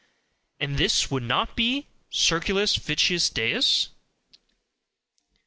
And this would not be circulus vitiosus deus?